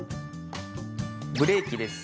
ブレーキです。